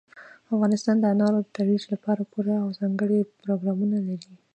افغانستان د انارو د ترویج لپاره پوره او ځانګړي پروګرامونه لري.